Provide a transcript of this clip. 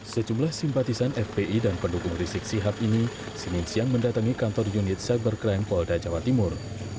sejumlah simpatisan fpi dan pendukung rizik sihab ini senin siang mendatangi kantor unit cybercrime polda jawa timur